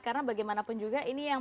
karena bagaimanapun juga